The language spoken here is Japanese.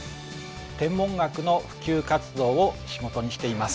天文学の普及活動を仕事にしています。